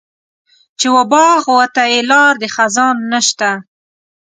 چې و باغ وته یې لار د خزان نشته.